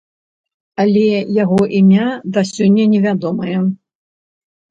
Але яго імя да сёння невядомае.